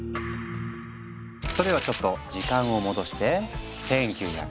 それではちょっと時間を戻して１９９３年。